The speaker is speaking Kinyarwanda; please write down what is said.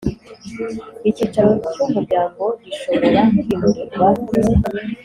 Icyicaro cy Umuryango gishobora kwimurirwa